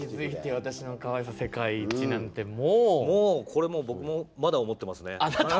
私のかわいさ世界一」なんてこれ、僕も思ってますね。